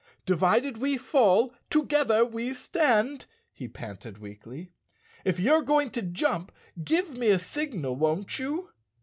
"Divided we fall, together we stand," he panted weakly. "If you're going to jump give me a signal, won't you?"